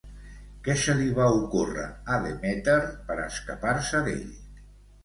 Què se li va ocórrer a Demèter per a escapar-se d'ell?